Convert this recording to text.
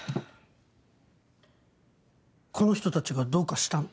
この人たちがどうかしたの？